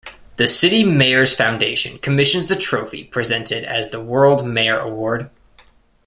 The City Mayors Foundation commissions the trophy presented as the World Mayor Award.